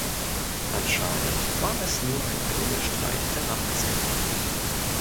Anscheinend war es nur ein Klingelstreich der Nachbarskinder.